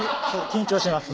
緊張してます